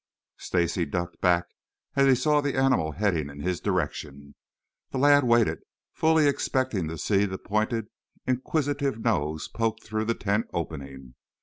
Stacy ducked back as he saw the animal heading in his direction. The lad waited, fully expecting to see the pointed, inquisitive nose poked through the tent opening.